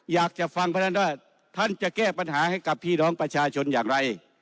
อยากจะฟังเพราะฉะนั้นว่าท่านจะแก้ปัญหาให้กับพี่น้องประชาชนอย่างไร